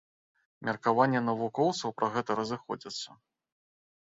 Меркаванні навукоўцаў пра гэта разыходзяцца.